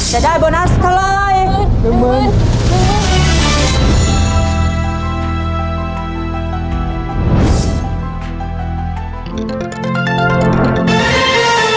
จะได้โบนัสเท่าไร